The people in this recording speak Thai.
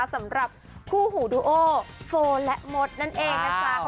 สำหรับคู่หูดูโอโฟและมดนั่นเองนะจ๊ะ